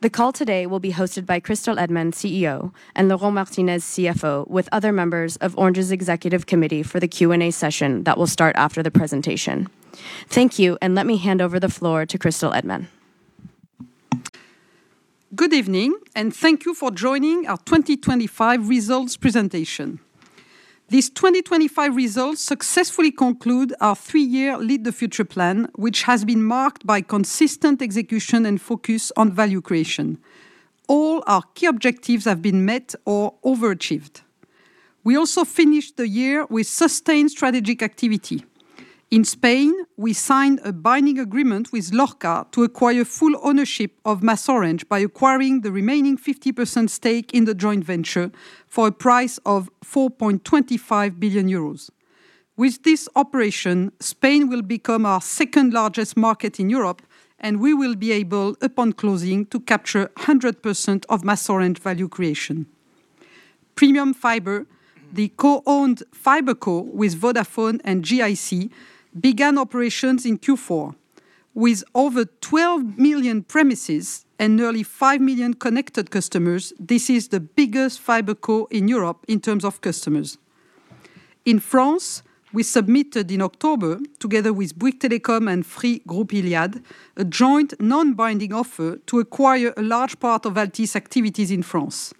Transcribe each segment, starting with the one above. The call today will be hosted by Christel Heydemann, CEO, and Laurent Martinez, CFO, with other members of Orange's executive committee for the Q&A session that will start after the presentation. Thank you, and let me hand over the floor to Christel Heydemann. Good evening, and thank you for joining our 2025 Results Presentation. These 2025 results successfully conclude our 3-year Lead the Future plan, which has been marked by consistent execution and focus on value creation. All our key objectives have been met or overachieved. We also finished the year with sustained strategic activity. In Spain, we signed a binding agreement with Lorca to acquire full ownership of MasOrange by acquiring the remaining 50% stake in the joint venture for a price of 4.25 billion euros. With this operation, Spain will become our second largest market in Europe, and we will be able, upon closing, to capture 100% of MasOrange value creation. Premium Fiber, the co-owned FiberCo with Vodafone and GIC, began operations in Q4. With over 12 million premises and nearly 5 million connected customers, this is the biggest FiberCo in Europe in terms of customers. In France, we submitted in October, together with Bouygues Telecom and Free Groupe Iliad, a joint non-binding offer to acquire a large part of Altice activities in France.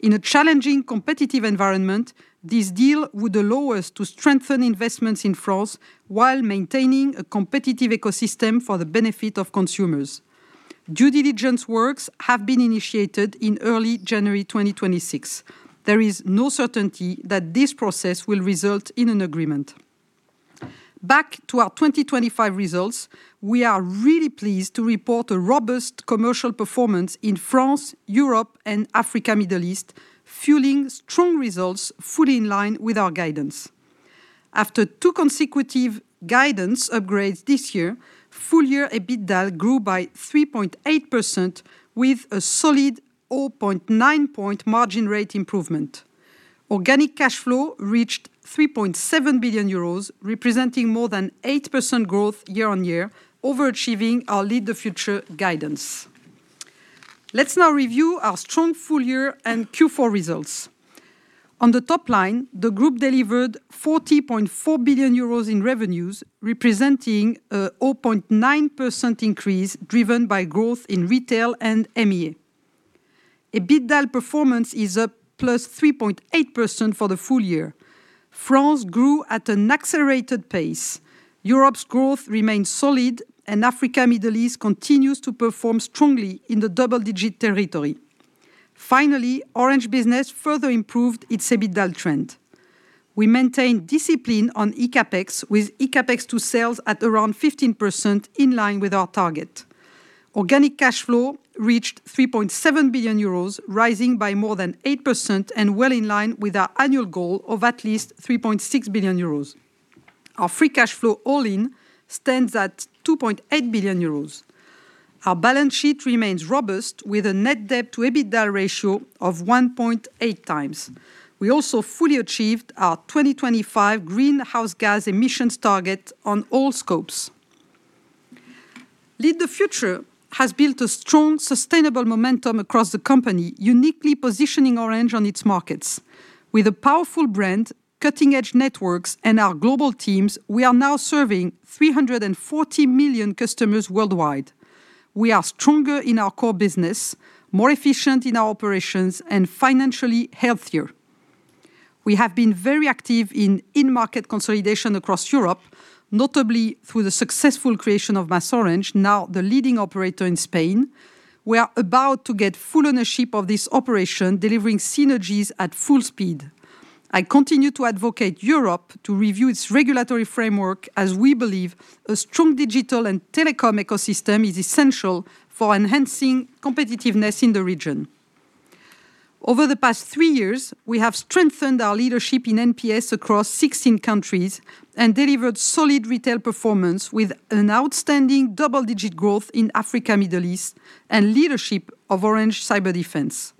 In a challenging competitive environment, this deal would allow us to strengthen investments in France while maintaining a competitive ecosystem for the benefit of consumers. Due diligence works have been initiated in early January 2026. There is no certainty that this process will result in an agreement. Back to our 2025 results, we are really pleased to report a robust commercial performance in France, Europe, and Africa, Middle East, fueling strong results fully in line with our guidance. After two consecutive guidance upgrades this year, full year EBITDAaL grew by 3.8% with a solid 0.9-point margin rate improvement. Organic cash flow reached 3.7 billion euros, representing more than 8% growth year-on-year, overachieving our Lead the Future guidance. Let's now review our strong full year and Q4 results. On the top line, the group delivered 40.4 billion euros in revenues, representing a 0.9% increase, driven by growth in retail and EMEA. EBITDAaL performance is up +3.8% for the full year. France grew at an accelerated pace. Europe's growth remains solid, and Africa, Middle East continues to perform strongly in the double-digit territory. Finally, Orange Business further improved its EBITDAaL trend. We maintained discipline on eCapEx, with eCapEx to sales at around 15%, in line with our target. Organic cash flow reached 3.7 billion euros, rising by more than 8% and well in line with our annual goal of at least 3.6 billion euros. Our free cash flow all-in stands at 2.8 billion euros. Our balance sheet remains robust, with a net debt to EBITDAaL ratio of 1.8 times. We also fully achieved our 2025 greenhouse gas emissions target on all scopes. Lead the Future has built a strong, sustainable momentum across the company, uniquely positioning Orange on its markets. With a powerful brand, cutting-edge networks, and our global teams, we are now serving 340 million customers worldwide. We are stronger in our core business, more efficient in our operations, and financially healthier. We have been very active in in-market consolidation across Europe, notably through the successful creation of MasOrange, now the leading operator in Spain. We are about to get full ownership of this operation, delivering synergies at full speed. I continue to advocate Europe to review its regulatory framework, as we believe a strong digital and telecom ecosystem is essential for enhancing competitiveness in the region. Over the past 3 years, we have strengthened our leadership in NPS across 16 countries and delivered solid retail performance with an outstanding double-digit growth in Africa, Middle East, and leadership of Orange Cyberdefense.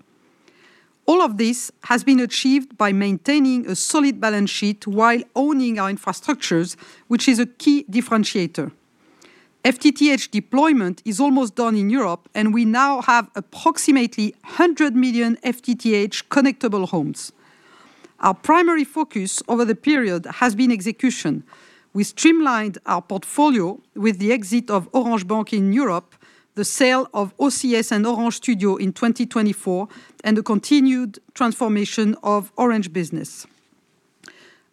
All of this has been achieved by maintaining a solid balance sheet while owning our infrastructures, which is a key differentiator. FTTH deployment is almost done in Europe, and we now have approximately 100 million FTTH connectable homes. Our primary focus over the period has been execution. We streamlined our portfolio with the exit of Orange Bank in Europe, the sale of OCS and Orange Studio in 2024, and the continued transformation of Orange Business.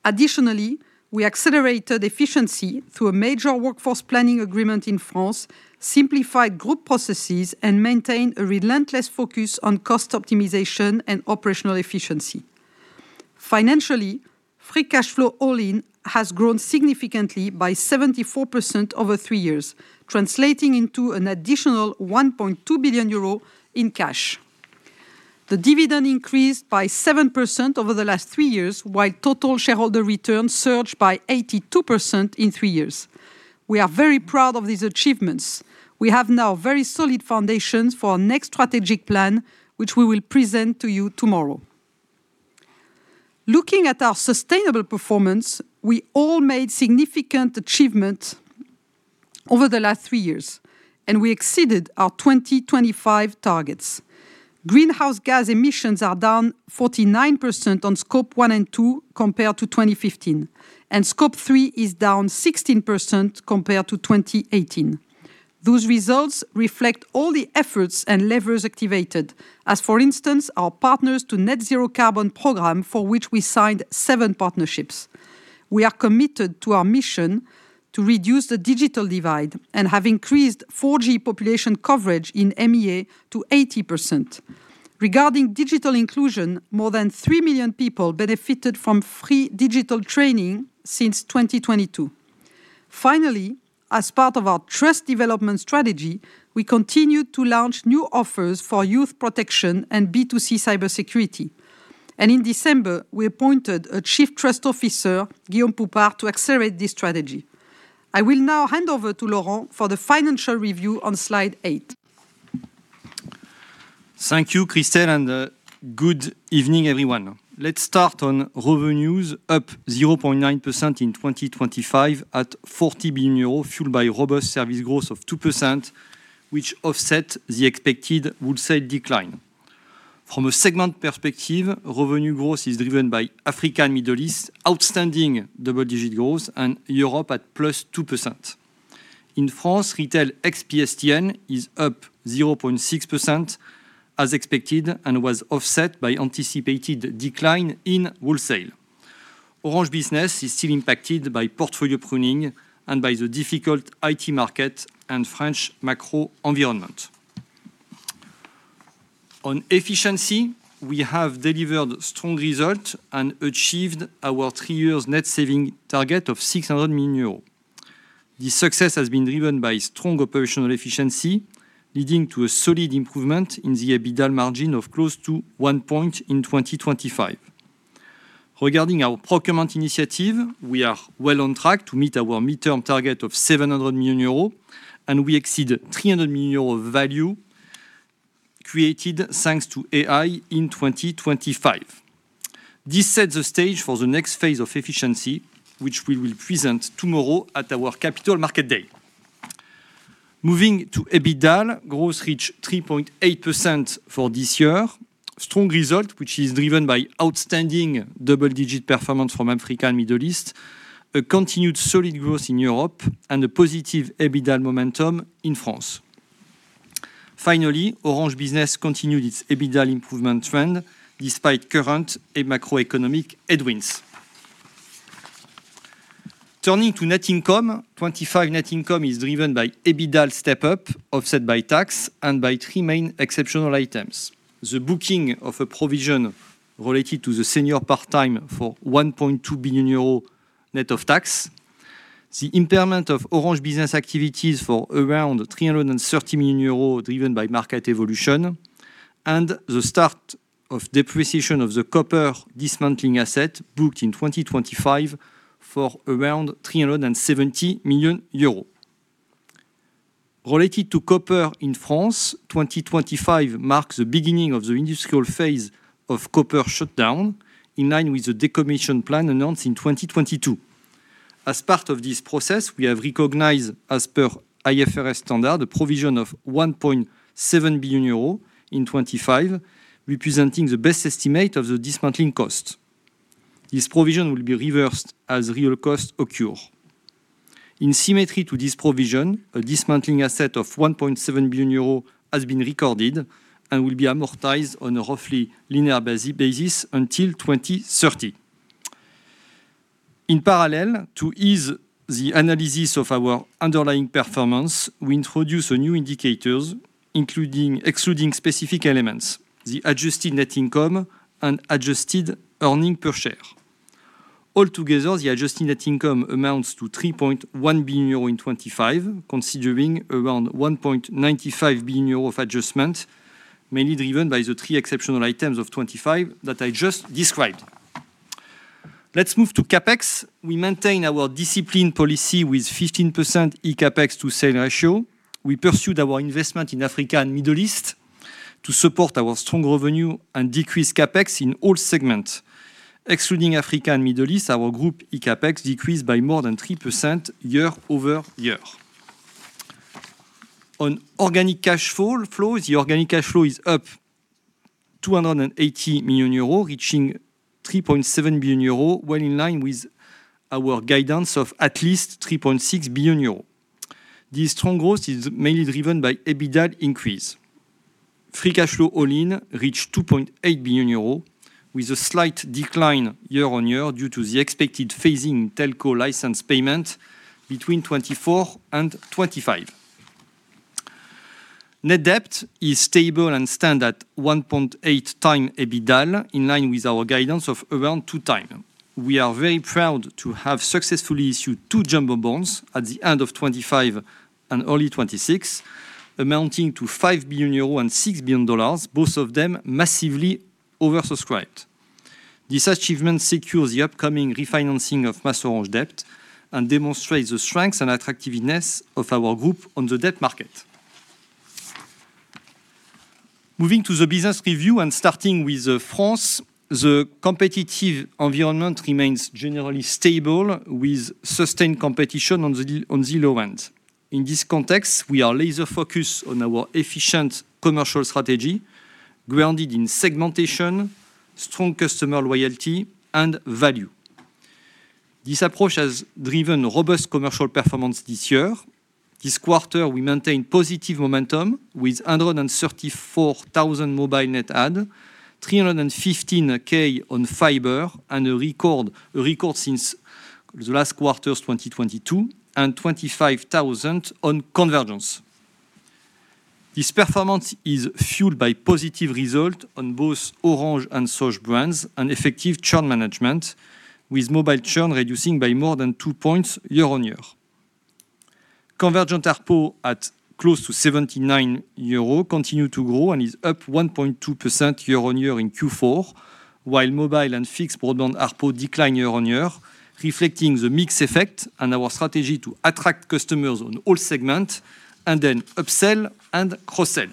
Additionally, we accelerated efficiency through a major workforce planning agreement in France, simplified group processes, and maintained a relentless focus on cost optimization and operational efficiency. Financially, free cash flow all-in has grown significantly by 74% over three years, translating into an additional 1.2 billion euro in cash. The dividend increased by 7% over the last three years, while total shareholder returns surged by 82% in three years. We are very proud of these achievements. We have now very solid foundations for our next strategic plan, which we will present to you tomorrow. Looking at our sustainable performance, we all made significant achievement over the last three years, and we exceeded our 2025 targets. Greenhouse gas emissions are down 49% on Scope 1 and 2 compared to 2015, and Scope 3 is down 16% compared to 2018. Those results reflect all the efforts and levers activated. As for instance, our Partners to Net Zero Carbon Program, for which we signed 7 partnerships. We are committed to our mission to reduce the digital divide and have increased 4G population coverage in MEA to 80%. Regarding digital inclusion, more than 3 million people benefited from free digital training since 2022. Finally, as part of our trust development strategy, we continued to launch new offers for youth protection and B2C cybersecurity. In December, we appointed a Chief Trust Officer, Guillaume Poupard, to accelerate this strategy. I will now hand over to Laurent for the financial review on slide 8. Thank you, Christel, and good evening, everyone. Let's start on revenues, up 0.9% in 2025 at 40 billion euro, fueled by robust service growth of 2%, which offset the expected wholesale decline. From a segment perspective, revenue growth is driven by Africa and Middle East, outstanding double-digit growth and Europe at +2%. In France, retail ex-PSTN is up 0.6%, as expected, and was offset by anticipated decline in wholesale. Orange Business is still impacted by portfolio pruning and by the difficult IT market and French macro environment. On efficiency, we have delivered strong result and achieved our three years net saving target of 600 million euros. This success has been driven by strong operational efficiency, leading to a solid improvement in the EBITDAaL margin of close to one point in 2025. Regarding our procurement initiative, we are well on track to meet our midterm target of 700 million euros, and we exceed 300 million euros of value created thanks to AI in 2025. This sets the stage for the next phase of efficiency, which we will present tomorrow at our Capital Market Day. Moving to EBITDAaL, growth reached 3.8% for this year. Strong result, which is driven by outstanding double-digit performance from Africa and Middle East, a continued solid growth in Europe, and a positive EBITDAaL momentum in France. Finally, Orange Business continued its EBITDAaL improvement trend, despite current and macroeconomic headwinds. Turning to net income, 2025 net income is driven by EBITDAaL step up, offset by tax and by three main exceptional items: the booking of a provision related to the Senior Part-Time for 1.2 billion euro net of tax, the impairment of Orange Business activities for around 330 million euros, driven by market evolution, and the start of depreciation of the copper dismantling asset booked in 2025 for around 370 million euros. Related to copper in France, 2025 marks the beginning of the industrial phase of copper shutdown, in line with the decommission plan announced in 2022. As part of this process, we have recognized, as per IFRS standard, a provision of 1.7 billion euros in 2025, representing the best estimate of the dismantling cost. This provision will be reversed as real costs occur. In symmetry to this provision, a dismantling asset of 1.7 billion euro has been recorded and will be amortized on a roughly linear basis until 2030. In parallel, to ease the analysis of our underlying performance, we introduce a new indicators, including excluding specific elements, the adjusted net income and adjusted earnings per share. Altogether, the adjusted net income amounts to 3.1 billion euros in 2025, considering around 1.95 billion euros of adjustment, mainly driven by the three exceptional items of 2025 that I just described. Let's move to CapEx. We maintain our discipline policy with 15% eCapEx to sales ratio. We pursued our investment in Africa and Middle East to support our strong revenue and decrease CapEx in all segments. Excluding Africa and Middle East, our group eCapEx decreased by more than 3% year-over-year. On organic cash flow, the organic cash flow is up 280 million euros, reaching 3.7 billion euros, well in line with our guidance of at least 3.6 billion euros. This strong growth is mainly driven by EBITDAaL increase. Free cash flow all-in reached 2.8 billion euros, with a slight decline year-on-year due to the expected phasing telco license payment between 2024 and 2025. Net debt is stable and stands at 1.8 times EBITDAaL, in line with our guidance of around 2 times. We are very proud to have successfully issued two jumbo bonds at the end of 2025 and early 2026, amounting to 5 billion euros and $6 billion, both of them massively oversubscribed. This achievement secures the upcoming refinancing of MasOrange debt and demonstrates the strengths and attractiveness of our group on the debt market. Moving to the business review and starting with France, the competitive environment remains generally stable with sustained competition on the low end. In this context, we are laser-focused on our efficient commercial strategy, grounded in segmentation, strong customer loyalty, and value. This approach has driven robust commercial performance this year. This quarter, we maintained positive momentum with 134,000 mobile net add, 315,000 on fiber, and a record since the last quarter of 2022, and 25,000 on convergence. This performance is fueled by positive result on both Orange and Sosh brands and effective churn management, with mobile churn reducing by more than 2 points year-on-year. Convergent ARPU at close to 79 euros, continue to grow and is up 1.2% year-on-year in Q4, while mobile and fixed broadband ARPU decline year-on-year, reflecting the mix effect and our strategy to attract customers on all segment and then upsell and cross-sell.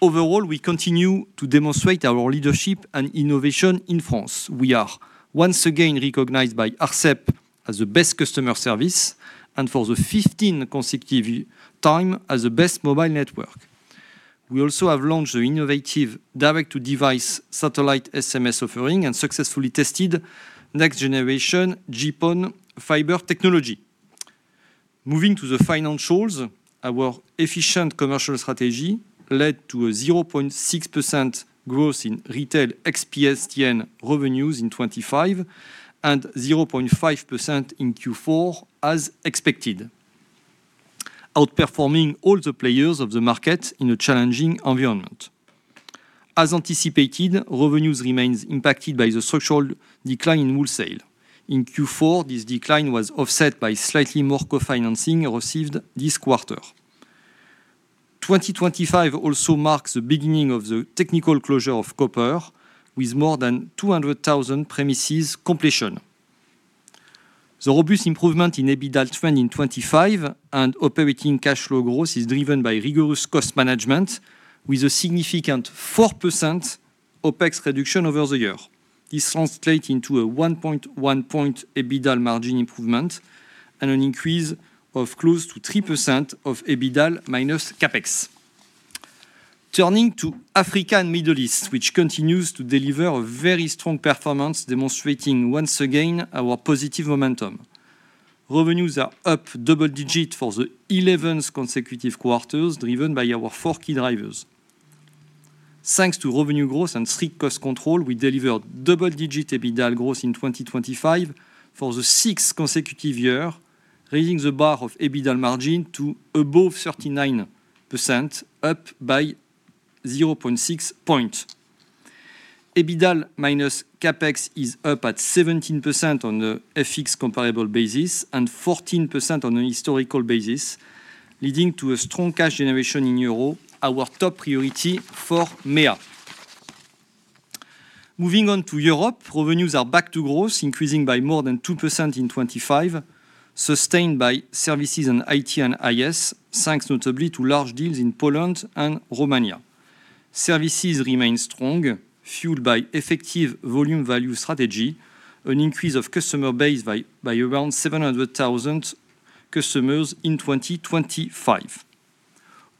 Overall, we continue to demonstrate our leadership and innovation in France. We are once again recognized by ARCEP as the best customer service and for the 15th consecutive time as the best mobile network. We also have launched the innovative Direct-to-Device Satellite SMS offering and successfully tested next-generation GPON fiber technology. Moving to the financials, our efficient commercial strategy led to a 0.6% growth in retail ex-PSTN revenues in 2025, and 0.5% in Q4, as expected, outperforming all the players of the market in a challenging environment. As anticipated, revenues remains impacted by the structural decline in wholesale. In Q4, this decline was offset by slightly more co-financing received this quarter. 2025 also marks the beginning of the technical closure of copper, with more than 200,000 premises completion. The robust improvement in EBITDAaL trend in 2025 and operating cash flow growth is driven by rigorous cost management, with a significant 4% OpEx reduction over the year. This translate into a 1.1-point EBITDAaL margin improvement and an increase of close to 3% of EBITDAaL minus CapEx. Turning to Africa and Middle East, which continues to deliver a very strong performance, demonstrating once again our positive momentum. Revenues are up double digits for the 11th consecutive quarters, driven by our 4 key drivers. Thanks to revenue growth and strict cost control, we delivered double-digit EBITDAaL growth in 2025 for the sixth consecutive year, raising the bar of EBITDAaL margin to above 39%, up by 0.6 points. EBITDAaL minus CapEx is up at 17% on the FX comparable basis and 14% on a historical basis, leading to a strong cash generation in euros, our top priority for MEA. Moving on to Europe, revenues are back to growth, increasing by more than 2% in 2025, sustained by services in IT and IS, thanks notably to large deals in Poland and Romania. Services remain strong, fueled by effective volume-value strategy, an increase of customer base by around 700,000 customers in 2025.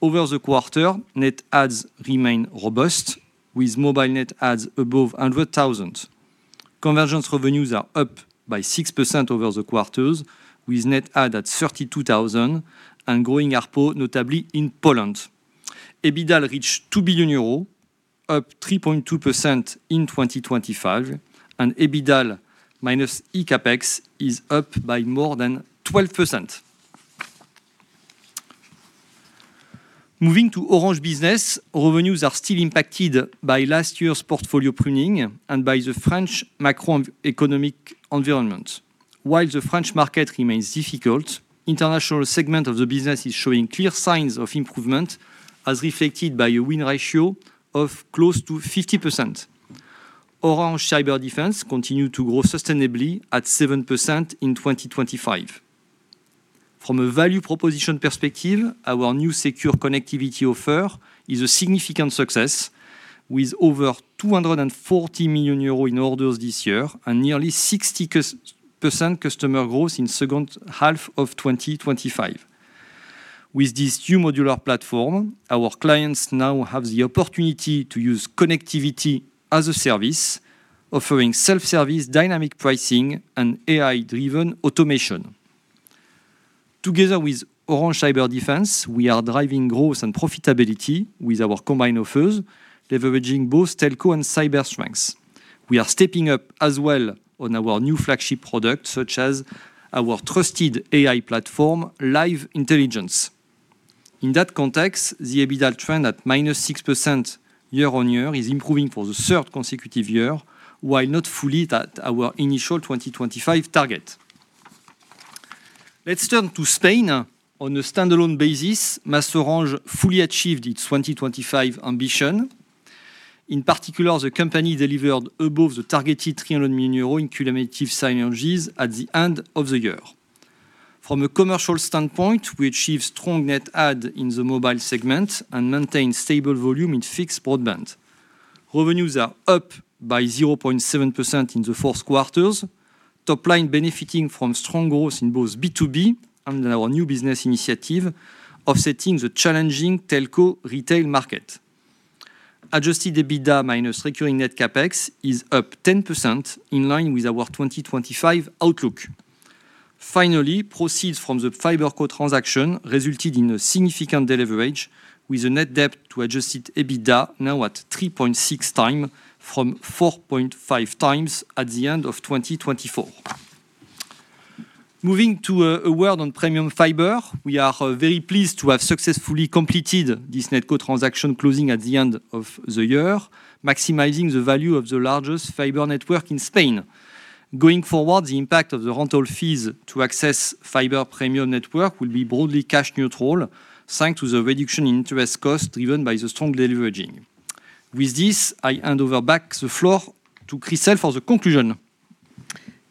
Over the quarter, net adds remain robust, with mobile net adds above 100,000. Convergence revenues are up by 6% over the quarters, with net add at 32,000 and growing ARPU, notably in Poland. EBITDAaL reached 2 billion euros, up 3.2% in 2025, and EBITDAaL minus eCapEx is up by more than 12%. Moving to Orange Business, revenues are still impacted by last year's portfolio pruning and by the French macroeconomic environment. While the French market remains difficult, international segment of the business is showing clear signs of improvement, as reflected by a win ratio of close to 50%. Orange Cyberdefense continue to grow sustainably at 7% in 2025. From a value proposition perspective, our new Secure Connectivity offer is a significant success, with over 240 million euros in orders this year and nearly 60% customer growth in second half of 2025. With this new modular platform, our clients now have the opportunity to use connectivity as a service, offering self-service, dynamic pricing, and AI-driven automation. Together with Orange Cyberdefense, we are driving growth and profitability with our combined offers, leveraging both telco and cyber strengths. We are stepping up as well on our new flagship product, such as our trusted AI platform, Live Intelligence. In that context, the EBITDAaL trend at -6% year-on-year is improving for the third consecutive year, while not fully at our initial 2025 target. Let's turn to Spain. On a standalone basis, Orange fully achieved its 2025 ambition. In particular, the company delivered above the targeted 300 million euro in cumulative synergies at the end of the year. From a commercial standpoint, we achieved strong net add in the mobile segment and maintained stable volume in fixed broadband. Revenues are up by 0.7% in the fourth quarters, top line benefiting from strong growth in both B2B and our new business initiative, offsetting the challenging telco retail market. Adjusted EBITDA minus recurring net CapEx is up 10%, in line with our 2025 outlook. Finally, proceeds from the FiberCo transaction resulted in a significant deleverage, with a net debt to adjusted EBITDA now at 3.6 times from 4.5 times at the end of 2024. Moving to a word on Premium Fiber, we are very pleased to have successfully completed this FiberCo transaction closing at the end of the year, maximizing the value of the largest fiber network in Spain. Going forward, the impact of the rental fees to access Premium Fiber network will be broadly cash neutral, thanks to the reduction in interest costs driven by the strong deleveraging. With this, I hand over back the floor to Christel for the conclusion.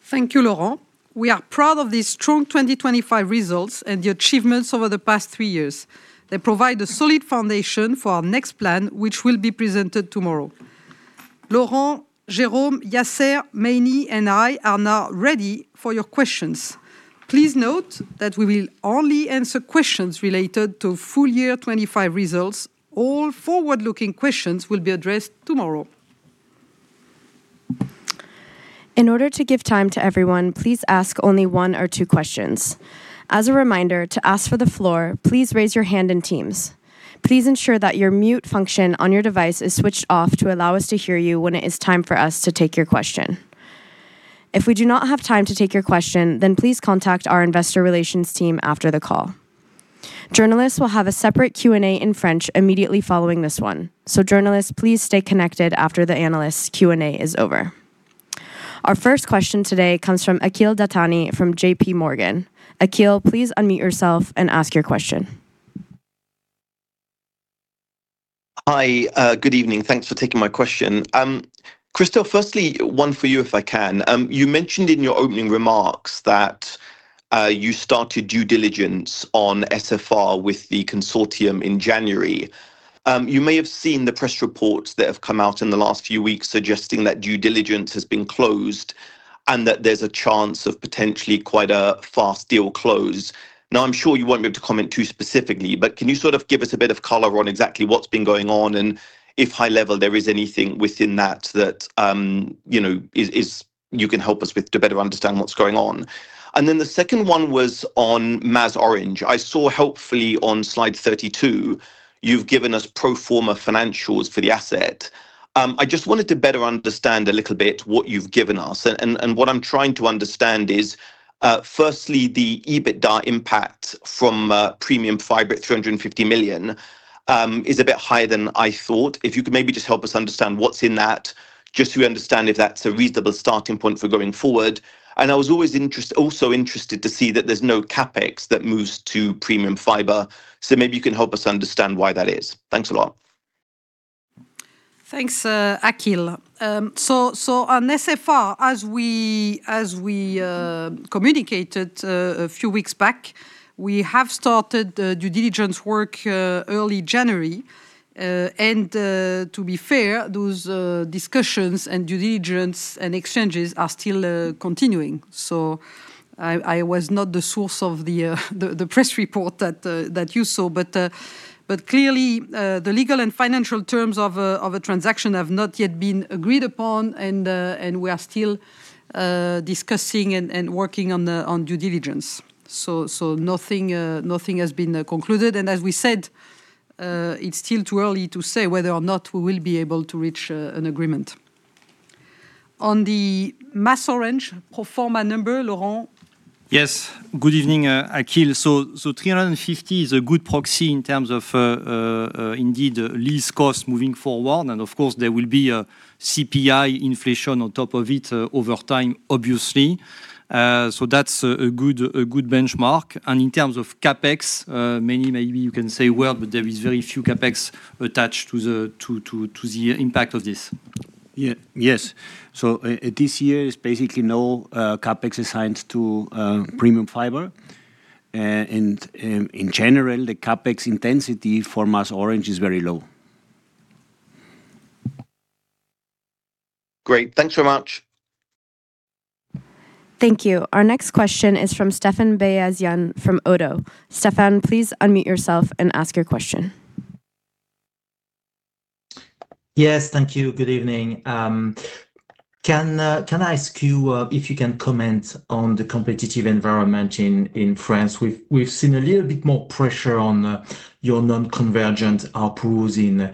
Thank you, Laurent. We are proud of these strong 2025 results and the achievements over the past three years. They provide a solid foundation for our next plan, which will be presented tomorrow. Laurent, Jérôme, Yasser, Meini, and I are now ready for your questions. Please note that we will only answer questions related to full year 2025 results. All forward-looking questions will be addressed tomorrow. In order to give time to everyone, please ask only one or two questions. As a reminder, to ask for the floor, please raise your hand in Teams. Please ensure that your mute function on your device is switched off to allow us to hear you when it is time for us to take your question. If we do not have time to take your question, then please contact our investor relations team after the call. Journalists will have a separate Q&A in French immediately following this one. So journalists, please stay connected after the analyst's Q&A is over. Our first question today comes from Akhil Dattani from JPMorgan. Akhil, please unmute yourself and ask your question. Hi. Good evening. Thanks for taking my question. Christel, firstly, one for you, if I can. You mentioned in your opening remarks that you started due diligence on SFR with the consortium in January. You may have seen the press reports that have come out in the last few weeks suggesting that due diligence has been closed, and that there's a chance of potentially quite a fast deal close. Now, I'm sure you won't be able to comment too specifically, but can you sort of give us a bit of color on exactly what's been going on? And if high level, there is anything within that, that you know, is you can help us with to better understand what's going on. And then the second one was on MasOrange. I saw helpfully on slide 32, you've given us pro forma financials for the asset. I just wanted to better understand a little bit what you've given us. And what I'm trying to understand is, firstly, the EBITDA impact from Premium Fiber at 350 million is a bit higher than I thought. If you could maybe just help us understand what's in that, just to understand if that's a reasonable starting point for going forward. And I was always also interested to see that there's no CapEx that moves to Premium Fiber. So maybe you can help us understand why that is. Thanks a lot. Thanks, Akhil. So, on SFR, as we communicated a few weeks back, we have started due diligence work early January. And, to be fair, those discussions and due diligence and exchanges are still continuing. So I was not the source of the press report that you saw. But clearly, the legal and financial terms of a transaction have not yet been agreed upon, and we are still discussing and working on the due diligence. So nothing has been concluded. And as we said, it's still too early to say whether or not we will be able to reach an agreement. On the MasOrange pro forma number, Laurent? Yes. Good evening, Akhil. So 350 is a good proxy in terms of indeed lease costs moving forward, and of course, there will be a CPI inflation on top of it over time, obviously. So that's a good benchmark. And in terms of CapEx, many maybe you can say well, but there is very few CapEx attached to the impact of this. Yeah. Yes. So, this year is basically no CapEx assigned to Premium Fiber. And, in general, the CapEx intensity for MasOrange is very low. Great. Thanks so much. Thank you. Our next question is from Stéphane Beyazian from ODDO. Stéphane, please unmute yourself and ask your question. Yes, thank you. Good evening. Can I ask you if you can comment on the competitive environment in France? We've seen a little bit more pressure on your non-convergent ARPUs in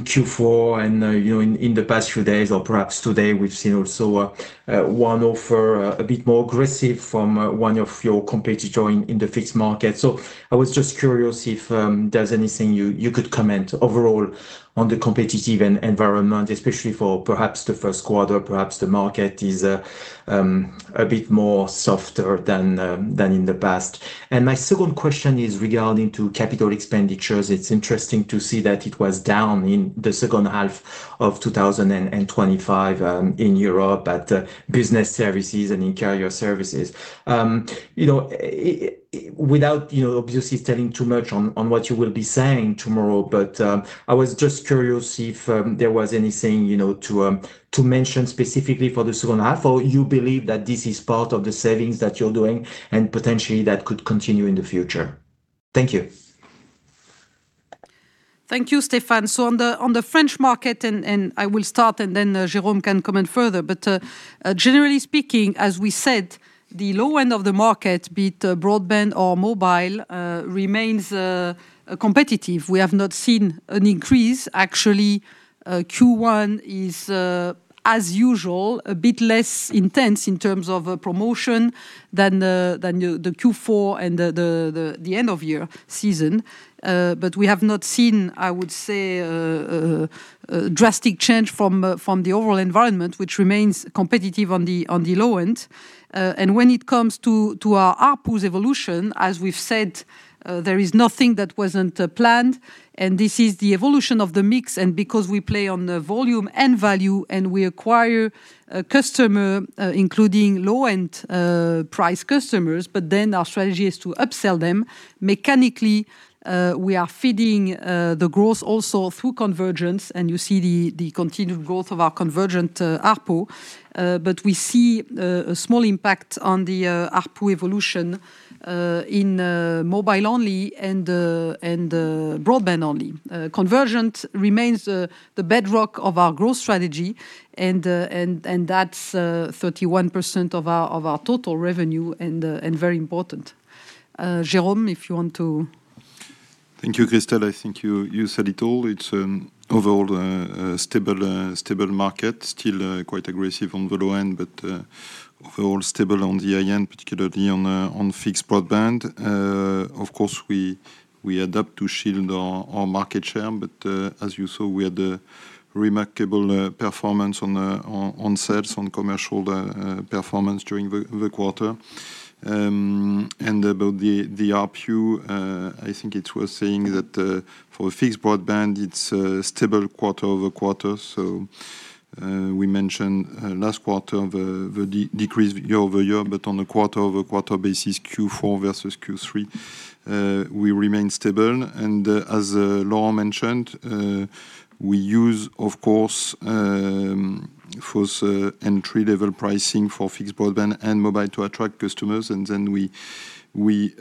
Q4. And you know, in the past few days, or perhaps today, we've seen also a one offer a bit more aggressive from one of your competitors in the fixed market. So I was just curious if there's anything you could comment overall on the competitive environment, especially for perhaps the first quarter. Perhaps the market is a bit more softer than in the past. And my second question is regarding to capital expenditures. It's interesting to see that it was down in the second half of 2025 in Europe at business services and in carrier services. You know, without you know obviously telling too much on what you will be saying tomorrow, but I was just curious if there was anything, you know, to mention specifically for the second half. Or you believe that this is part of the savings that you're doing, and potentially that could continue in the future? Thank you. Thank you, Stéphane. So on the French market, and I will start, and then Jérôme can comment further. But generally speaking, as we said, the low end of the market, be it broadband or mobile, remains competitive. We have not seen an increase. Actually, Q1 is, as usual, a bit less intense in terms of promotion than the Q4 and the end-of-year season. But we have not seen, I would say, a drastic change from the overall environment, which remains competitive on the low end. And when it comes to our ARPUs evolution, as we've said, there is nothing that wasn't planned, and this is the evolution of the mix. And because we play on the volume and value, and we acquire a customer, including low-end price customers, but then our strategy is to upsell them. Mechanically, we are feeding the growth also through convergence, and you see the continued growth of our convergent ARPU. But we see a small impact on the ARPU evolution, in mobile only and broadband only. Convergence remains the bedrock of our growth strategy, and that's 31% of our total revenue and very important. Jérôme, if you want to- Thank you, Christel. I think you said it all. It's overall a stable market. Still quite aggressive on the low end, but overall stable on the high end, particularly on fixed broadband. Of course, we adapt to shield our market share, but as you saw, we had a remarkable performance on sales, on commercial performance during the quarter. And about the ARPU, I think it's worth saying that for fixed broadband, it's stable quarter-over-quarter. So we mentioned last quarter the decrease year-over-year, but on a quarter-over-quarter basis, Q4 versus Q3, we remain stable. And, as Laurent mentioned, we use, of course, low entry-level pricing for fixed broadband and mobile to attract customers, and then we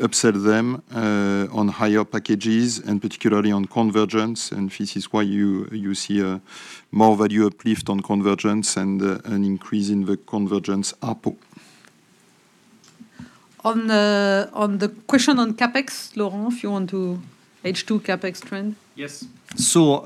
upsell them on higher packages and particularly on convergence. And this is why you see a more value uplift on convergence and an increase in the convergence ARPU. On the question on CapEx, Laurent, if you want to H2 CapEx trend? Yes. So,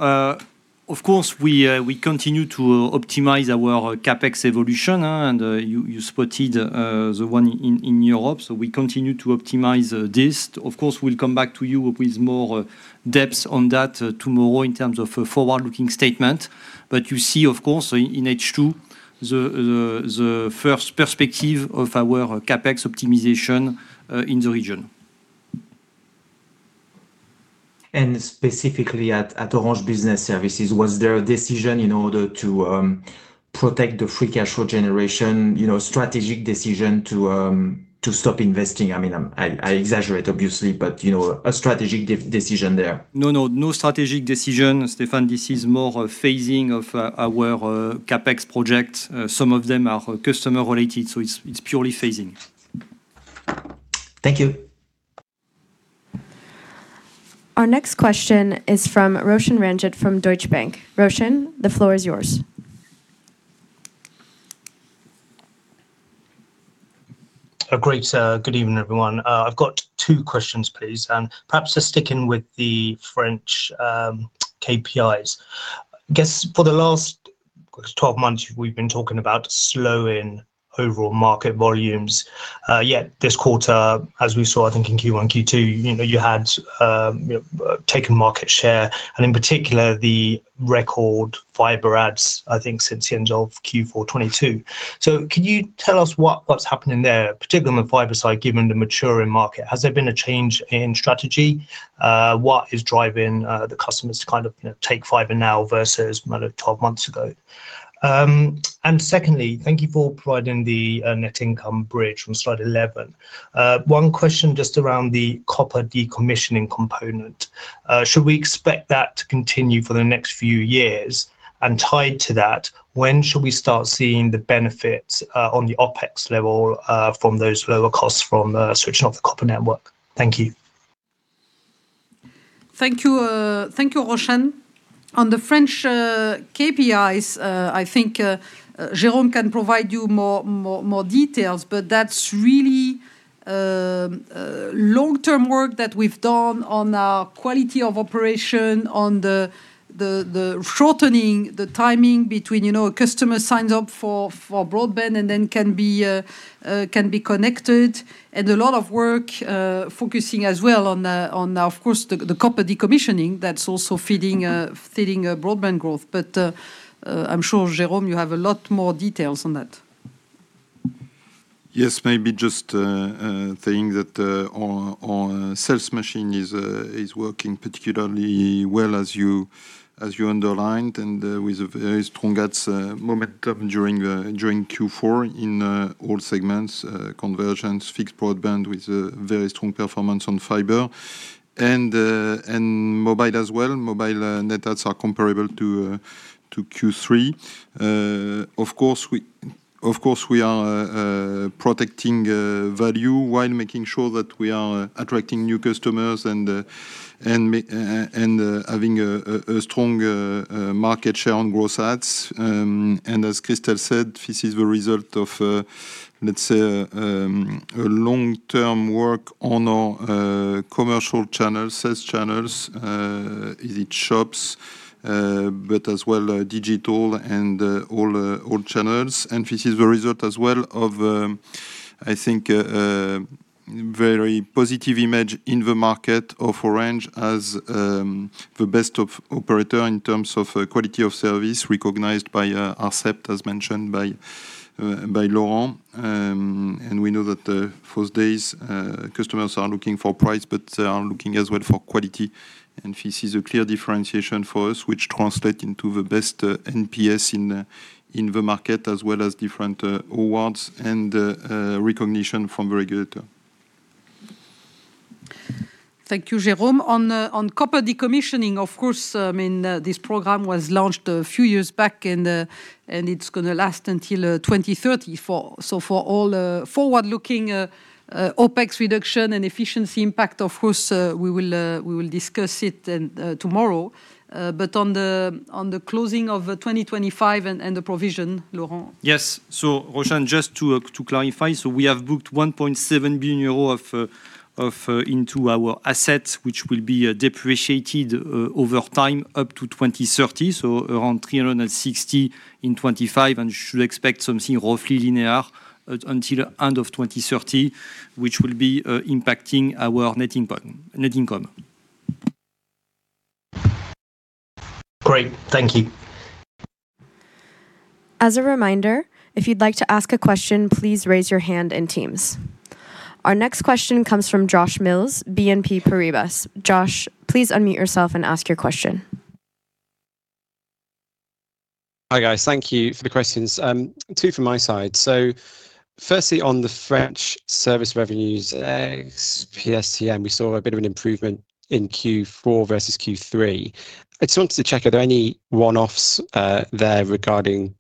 of course, we continue to optimize our CapEx evolution, and you spotted the one in Europe, so we continue to optimize this. Of course, we'll come back to you with more depths on that tomorrow in terms of a forward-looking statement. But you see, of course, in H2, the first perspective of our CapEx optimization in the region. Specifically at Orange Business Services, was there a decision in order to protect the free cash flow generation, you know, a strategic decision to stop investing? I mean, I exaggerate, obviously, but, you know, a strategic decision there. No, no. No strategic decision, Stéphane. This is more a phasing of our CapEx project. Some of them are customer related, so it's purely phasing. Thank you. Our next question is from Roshan Ranjit, from Deutsche Bank. Roshan, the floor is yours. Great, good evening, everyone. I've got two questions, please, and perhaps just sticking with the French KPIs. Yes, for the last 12 months, we've been talking about slowing overall market volumes. Yet this quarter, as we saw, I think in Q1, Q2, you know, you had taken market share and in particular, the record fiber adds, I think, since the end of Q4 2022. So can you tell us what's happening there, particularly on the fiber side, given the maturing market? Has there been a change in strategy? What is driving the customers to kind of, you know, take fiber now versus about 12 months ago? And secondly, thank you for providing the net income bridge from slide 11. One question just around the copper decommissioning component. Should we expect that to continue for the next few years? And tied to that, when should we start seeing the benefits, on the OpEx level, from those lower costs from switching off the copper network? Thank you. Thank you. Thank you, Roshan. On the French KPIs, I think, Jérôme can provide you more details, but that's really long-term work that we've done on our quality of operation, on the shortening the timing between, you know, a customer signs up for broadband and then can be connected. And a lot of work focusing as well on, of course, the copper decommissioning that's also feeding broadband growth. But I'm sure, Jérôme, you have a lot more details on that. Yes, maybe just saying that our sales machine is working particularly well as you underlined, and with a very strong adds momentum during Q4 in all segments. Convergence, fixed broadband with very strong performance on fiber. And mobile as well. Mobile net adds are comparable to Q3. Of course, we are protecting value while making sure that we are attracting new customers and having a strong market share on growth adds. And as Christel said, this is the result of, let's say, a long-term work on our commercial channels, sales channels. Is it shops, but as well digital and all channels. And this is the result as well of, I think, very positive image in the market of Orange as, the best operator in terms of, quality of service, recognized by, ARCEP, as mentioned by, by Laurent. And we know that, those days, customers are looking for price, but they are looking as well for quality. And this is a clear differentiation for us, which translate into the best, NPS in, in the market, as well as different, awards and, recognition from the regulator. Thank you, Jérôme. On copper decommissioning, of course, I mean, this program was launched a few years back, and it's gonna last until 2034. So for all forward-looking OpEx reduction and efficiency impact, of course, we will discuss it then, tomorrow. But on the closing of 2025 and the provision, Laurent? Yes. Roshan, just to clarify, we have booked 1.7 billion euros into our assets, which will be depreciated over time, up to 2030. Around 360 million in 2025, and should expect something roughly linear until end of 2030, which will be impacting our net income, net income. Great. Thank you. As a reminder, if you'd like to ask a question, please raise your hand in Teams. Our next question comes from Josh Mills, BNP Paribas. Josh, please unmute yourself and ask your question. Hi, guys. Thank you for the questions. Two from my side. So firstly, on the French service revenues, PSTN, we saw a bit of an improvement in Q4 versus Q3. I just wanted to check, are there any one-offs there regarding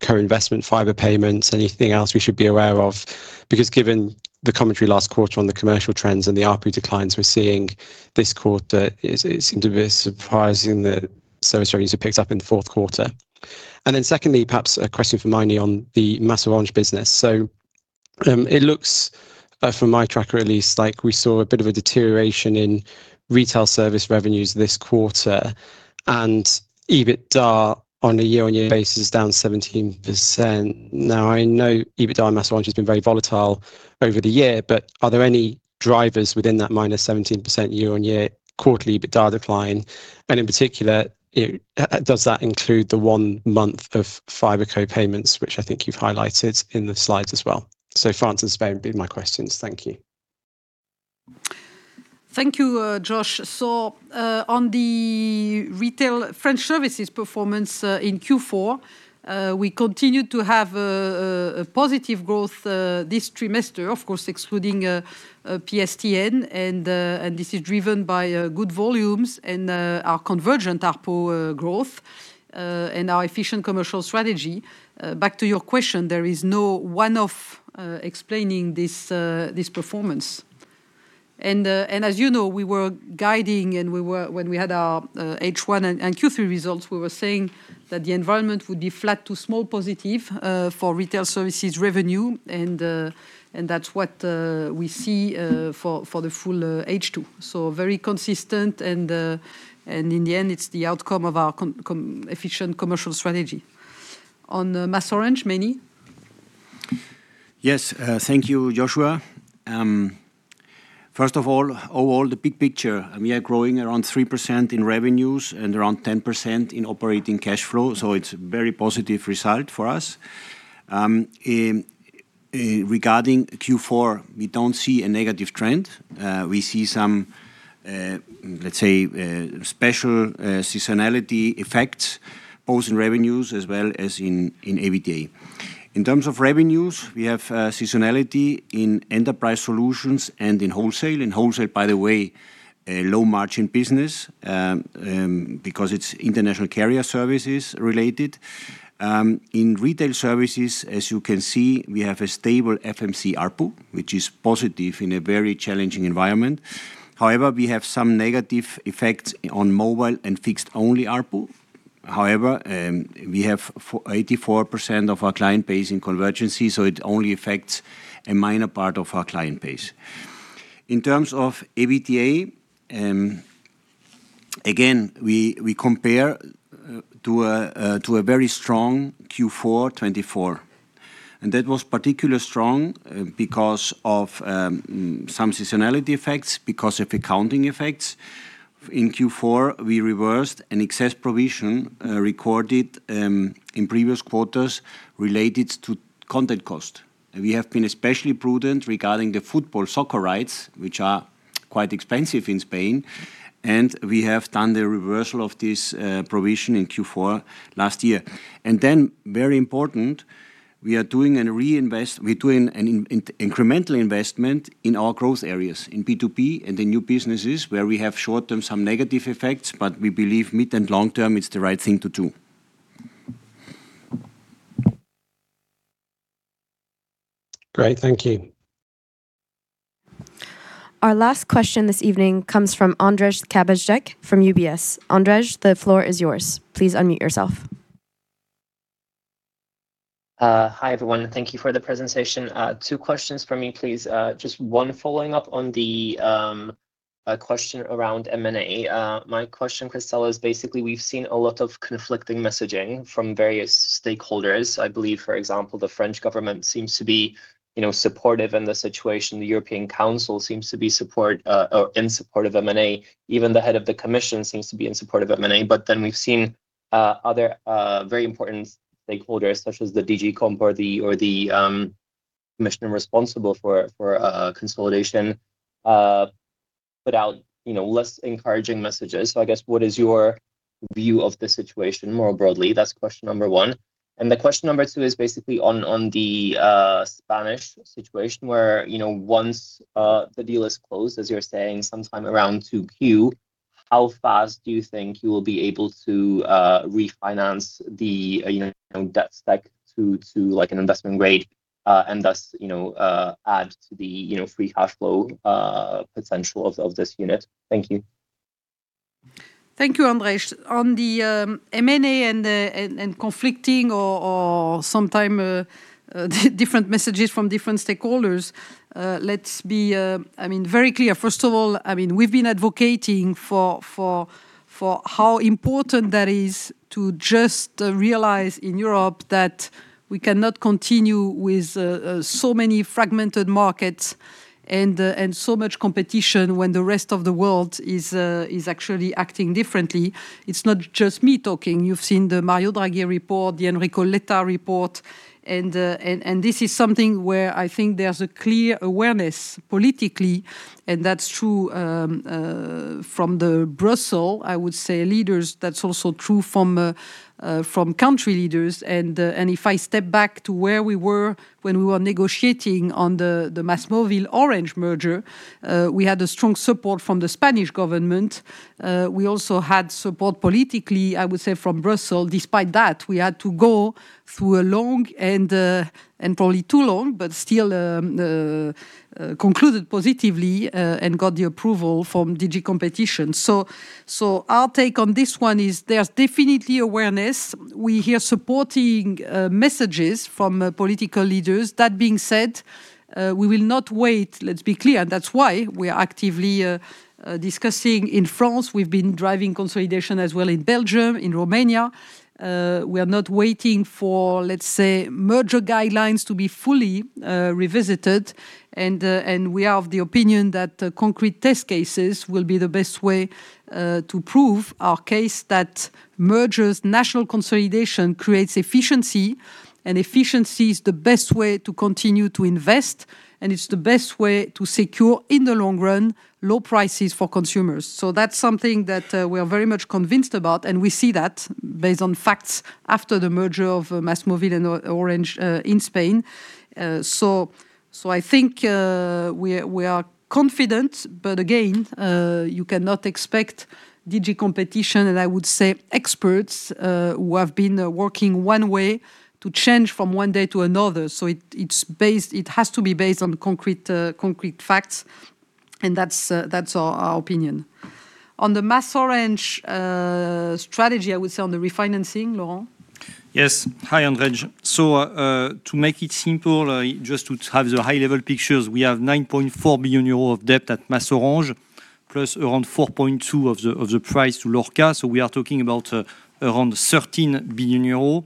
co-investment, fiber payments, anything else we should be aware of? Because given the commentary last quarter on the commercial trends and the RP declines we're seeing this quarter, it seemed a bit surprising that service revenues are picked up in the fourth quarter. And then secondly, perhaps a question for Meinrad on the MasOrange business. So, it looks from my tracker at least like we saw a bit of a deterioration in retail service revenues this quarter, and EBITDA on a year-on-year basis is down 17%. Now, I know EBITDA in MasOrange has been very volatile over the year, but are there any drivers within that minus 17% year-on-year quarterly EBITDA decline? And in particular, does that include the one month of FiberCo payments, which I think you've highlighted in the slides as well? So France and Spain would be my questions. Thank you. Thank you, Josh. On the retail French services performance in Q4, we continued to have positive growth this trimester, of course, excluding PSTN. This is driven by good volumes and our convergent ARPU growth and our efficient commercial strategy. Back to your question, there is no one-off explaining this performance. As you know, we were guiding, and we were—when we had our H1 and Q3 results, we were saying that the environment would be flat to small positive for retail services revenue. That's what we see for the full H2. Very consistent, and in the end, it's the outcome of our efficient commercial strategy. On the MasOrange, Meini? Yes, thank you, Joshua. First of all, overall, the big picture, and we are growing around 3% in revenues and around 10% in operating cash flow, so it's very positive result for us. Regarding Q4, we don't see a negative trend. We see some, let's say, special seasonality effects, both in revenues as well as in EBITDA. In terms of revenues, we have seasonality in enterprise solutions and in wholesale. In wholesale, by the way, a low-margin business, because it's international carrier services related. In retail services, as you can see, we have a stable FMC ARPU, which is positive in a very challenging environment. However, we have some negative effects on mobile and fixed-only ARPU. However, we have 84% of our client base in convergence, so it only affects a minor part of our client base. In terms of EBITDA, again, we compare to a very strong Q4 2024, and that was particularly strong because of some seasonality effects, because of accounting effects. In Q4, we reversed an excess provision recorded in previous quarters related to content cost. And we have been especially prudent regarding the football soccer rights, which are-quite expensive in Spain, and we have done the reversal of this provision in Q4 last year. And then, very important, we are doing an incremental investment in our growth areas, in B2B and the new businesses where we have short-term some negative effects. But we believe mid and long term, it's the right thing to do. Great. Thank you. Our last question this evening comes from Ondrej Cabejsek from UBS. Ondrej, the floor is yours. Please unmute yourself. Hi, everyone, and thank you for the presentation. Two questions from me, please. Just one following up on the question around M&A. My question, Christel, is basically we've seen a lot of conflicting messaging from various stakeholders. I believe, for example, the French government seems to be, you know, supportive in the situation. The European Council seems to be support or in support of M&A. Even the head of the commission seems to be in support of M&A. But then we've seen other very important stakeholders, such as the DG Comp or the commission responsible for consolidation put out, you know, less encouraging messages. So I guess, what is your view of the situation more broadly? That's question number one. The question number two is basically on, on the Spanish situation, where, you know, once the deal is closed, as you're saying, sometime around 2Q, how fast do you think you will be able to refinance the, you know, debt stack to, to, like, an investment grade, and thus, you know, add to the, you know, free cash flow potential of this unit? Thank you. Thank you, Ondrej. On the M&A and the conflicting or sometimes different messages from different stakeholders, let's be, I mean, very clear. First of all, I mean, we've been advocating for how important that is to just realize in Europe that we cannot continue with so many fragmented markets and so much competition when the rest of the world is actually acting differently. It's not just me talking. You've seen the Mario Draghi report, the Enrico Letta report, and this is something where I think there's a clear awareness politically, and that's true from the Brussels, I would say, leaders. That's also true from country leaders. And if I step back to where we were when we were negotiating on the MásMóvil-Orange merger, we had a strong support from the Spanish government. We also had support politically, I would say, from Brussels. Despite that, we had to go through a long and probably too long, but still, concluded positively, and got the approval from DG Competition. So, our take on this one is there's definitely awareness. We hear supporting messages from political leaders. That being said, we will not wait. Let's be clear, that's why we are actively discussing in France. We've been driving consolidation as well in Belgium, in Romania. We are not waiting for, let's say, merger guidelines to be fully revisited, and we are of the opinion that the concrete test cases will be the best way to prove our case that mergers, national consolidation creates efficiency, and efficiency is the best way to continue to invest, and it's the best way to secure, in the long run, low prices for consumers. So that's something that we are very much convinced about, and we see that based on facts after the merger of MásMóvil and Orange in Spain. So I think we are confident, but again, you cannot expect DG Competition, and I would say experts who have been working one way to change from one day to another. So it, it's based... It has to be based on concrete, concrete facts, and that's, that's our, our opinion. On the MasOrange strategy, I would say on the refinancing, Laurent? Yes. Hi, Ondrej. So, to make it simple, just to have the high-level pictures, we have 9.4 billion euros of debt at MasOrange, plus around 4.2 billion of the price to Lorca. So we are talking about around 13 billion euros.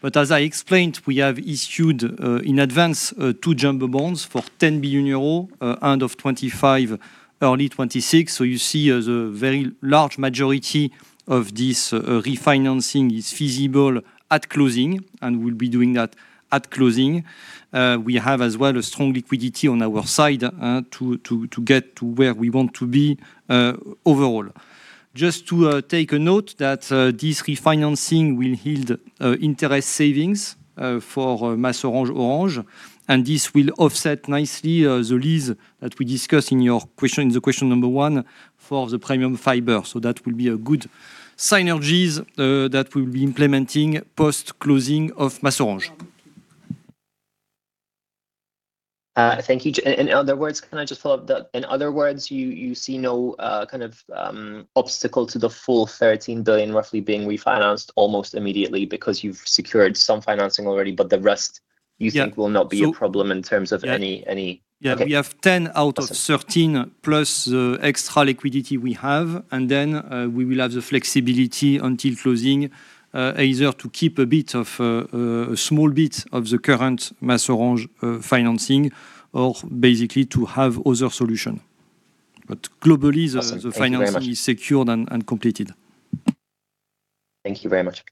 But as I explained, we have issued in advance two jumbo bonds for 10 billion euros, end of 2025, early 2026. So you see, the very large majority of this refinancing is feasible at closing, and we'll be doing that at closing. We have as well a strong liquidity on our side to get to where we want to be overall. Just to take a note that this refinancing will yield interest savings for MasOrange Orange, and this will offset nicely the lease that we discussed in your question, in the question number one for the Premium Fiber. So that will be a good synergies that we'll be implementing post-closing of MasOrange. Thank you. In other words, can I just follow up that. In other words, you see no kind of obstacle to the full 13 billion roughly being refinanced almost immediately because you've secured some financing already, but the rest, you think will not be a problem in terms of any- Yeah. Okay. We have 10 out of 13, plus the extra liquidity we have, and then we will have the flexibility until closing, either to keep a bit of a small bit of the current MasOrange financing or basically to have other solution. But globally, the financing is secured and completed. Thank you very much.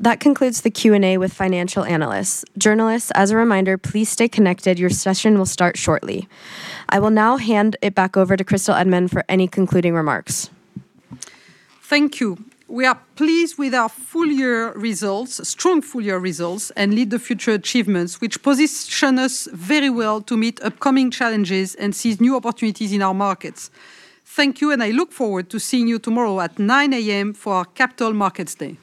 That concludes the Q&A with financial analysts. Journalists, as a reminder, please stay connected. Your session will start shortly. I will now hand it back over to Christel Heydemann for any concluding remarks. Thank you. We are pleased with our full year results, strong full year results, and Lead the Future achievements, which position us very well to meet upcoming challenges and seize new opportunities in our markets. Thank you, and I look forward to seeing you tomorrow at 9:00 A.M. for our Capital Markets Day.